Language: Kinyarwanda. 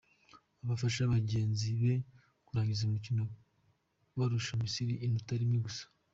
Afasha bagenzi be kurangiza umukino barusha Misiri inota rimwe gusa.